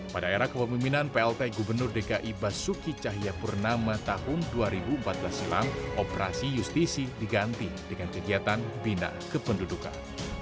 pada era kepemimpinan plt gubernur dki basuki cahayapurnama tahun dua ribu empat belas silam operasi justisi diganti dengan kegiatan bina kependudukan